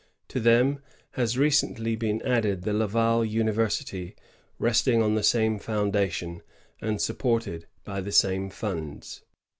To them has recently been added the Laval University, resting on the same foundation, and supported by the same funds.